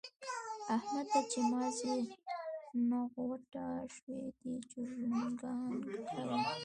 احمد ته چې مازي نغوته شوي؛ دی جوړنګان کاږي.